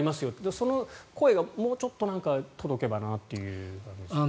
その声がもうちょっと届けばなという気がしますね。